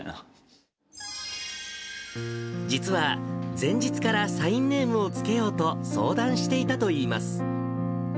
実は、前日からサインネームを付けようと相談していたといいます。